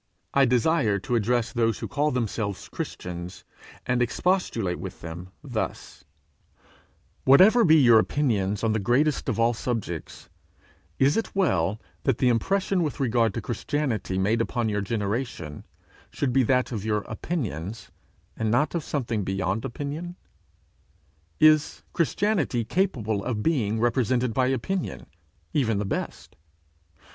I desire to address those who call themselves Christians, and expostulate with them thus: Whatever be your opinions on the greatest of all subjects, is it well that the impression with regard to Christianity made upon your generation, should be that of your opinions, and not of something beyond opinion? Is Christianity capable of being represented by opinion, even the best?